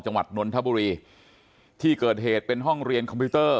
นนทบุรีที่เกิดเหตุเป็นห้องเรียนคอมพิวเตอร์